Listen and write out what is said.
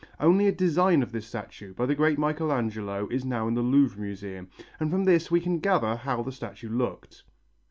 Only a design of this statue, by the great Michelangelo, is now in the Louvre Museum, and from this we can gather how the statue looked.